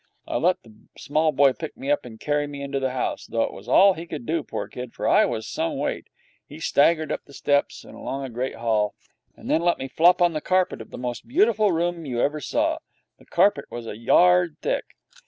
I let the small boy pick me up and carry me into the house, though it was all he could do, poor kid, for I was some weight. He staggered up the steps and along a great hall, and then let me flop on the carpet of the most beautiful room you ever saw. The carpet was a yard thick.